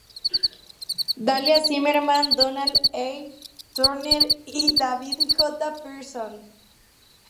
Dale A. Zimmerman, Donald A. Turner y David J. Pearson.